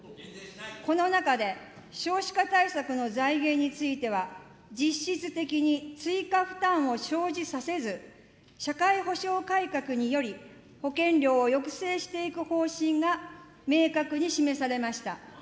この中で、少子化対策の財源については、実質的に追加負担を生じさせず、社会保障改革により保険料を抑制していく方針が明確に示されました。